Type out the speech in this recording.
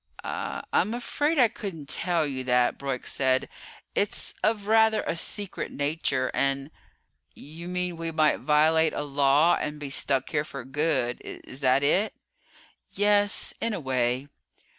"I I'm afraid I couldn't tell you that," Broyk said. "It's of rather a secret nature and ..." "You mean we might violate a Law and be stuck here for good is that it?" "Yes in a way."